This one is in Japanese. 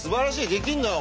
できんのよ。